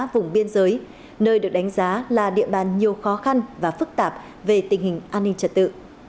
vùng biên giới nơi được đánh giá là địa bàn nhiều khó khăn và phức tạp về tình hình an ninh trật tự